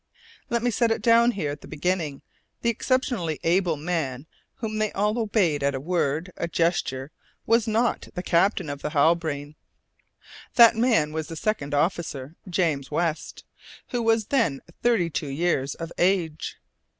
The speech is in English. Let me set it down here at the beginning, the exceptionally able man whom they all obeyed at a word, a gesture, was not the captain of the Halbrane; that man was the second officer, James West, who was then thirty two years of age.